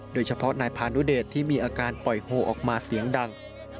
โดยเฉพาะนายพานุเดชที่มีอาการปล่อยโฮออกมาเสียงดัง